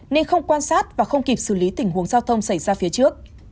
nên không quan sát và không kịp xử lý tình huống giao thông xảy ra phía trước